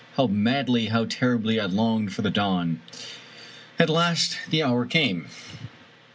How madly, how terribly, I longed for the dawn! At last the hour came.